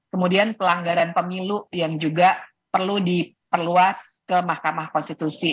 kemudian pelanggaran pemilu yang juga perlu diperluas ke mahkamah konstitusi